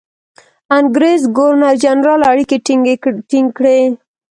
انګرېز ګورنرجنرال اړیکې ټینګ کړي.